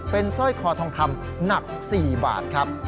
เป็นสร้อยคอทองคำหนัก๔บาทครับ